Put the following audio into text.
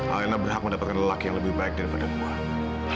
elena berhak mendapatkan lelaki yang lebih baik daripada gua